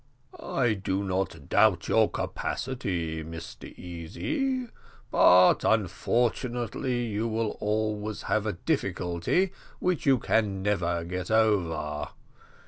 "I do not doubt your capability, Mr Easy; but unfortunately you will always have a difficulty which you never can get over.